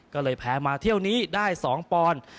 ก็เลยแพ้มาเที่ยวนี้ได้๒ปอนด์